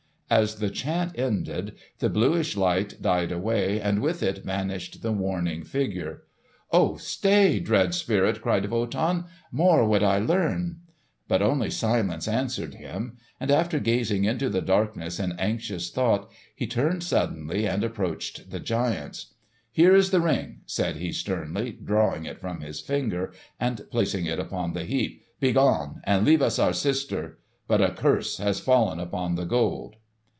As the chant ended, the bluish light died away and with it vanished the warning figure. "O stay, dread spirit!" cried Wotan. "More would I learn!" But only silence answered him; and after gazing into the darkness in anxious thought, he turned suddenly and approached the giants. "Here is the Ring," said he sternly, drawing it from his finger and placing it upon the heap. "Begone, and leave us our sister! But a curse has fallen upon the Gold."